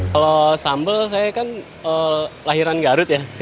kalau sambal saya kan lahiran garut ya